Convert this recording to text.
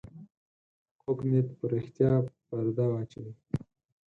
کوږ نیت پر رښتیا پرده واچوي